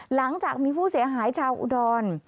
หลังจากมีผู้เสียหายชาวอุดร